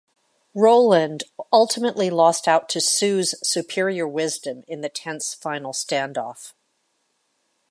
Roland ultimately lost out to Soo's superior wisdom in the tense final standoff.